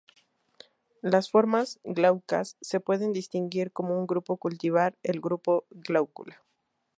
Las formas glaucas se pueden distinguir como un grupo cultivar, el "Grupo Glauca".